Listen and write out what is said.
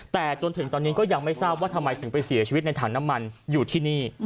แต่จนถึงตอนนี้ก็ยังไม่ทราบว่าทำไมถึงไปเสียชีวิตในถังน้ำมันอยู่ที่นี่